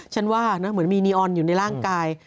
ฉันว่านะเหมือนมีนีออนอยู่ในร่างกาย